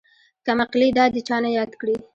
کمقلې دادې چانه ياد کړي.